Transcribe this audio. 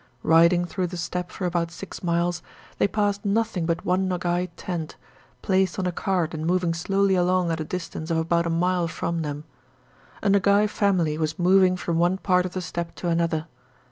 Riding through the steppe for about six miles, they passed nothing but one Nogay tent, placed on a cart and moving slowly along at a distance of about a mile from them. A Nogay family was moving from one part of the steppe to another.